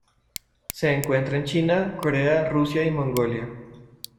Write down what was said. Se encuentra en China, Corea, Rusia y Mongolia.